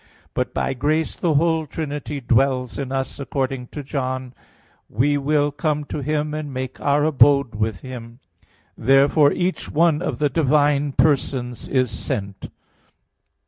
But by grace the whole Trinity dwells in us according to John 14:23: "We will come to him and make Our abode with him." Therefore each one of the divine persons is sent.